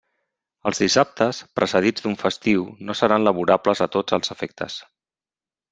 Els dissabtes precedits d'un festiu no seran laborables a tots els efectes.